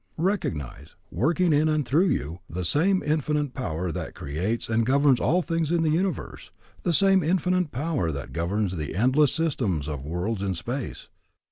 Recognize, working in and through you, the same Infinite Power that creates and governs all things in the universe, the same Infinite Power that governs the endless systems of worlds in space.